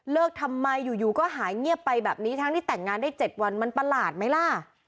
ทำไมอยู่ก็หายเงียบไปแบบนี้ทั้งที่แต่งงานได้๗วันมันประหลาดไหมล่ะ